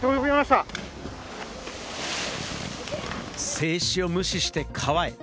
制止を無視して川へ。